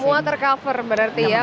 semua tercover berarti ya